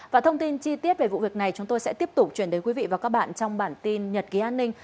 và thông tin chi tiết về vụ việc này chúng tôi sẽ tiếp tục chuyển đến quý vị và các bạn trong bản tin nhật ký an ninh